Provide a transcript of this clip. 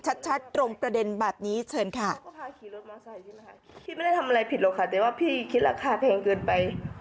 ชัดตรงประเด็นแบบนี้เชิญค่ะ